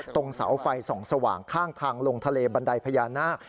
ตรงเสาไฟส่องสว่างข้างทางลงทะเลบันไดพญานาค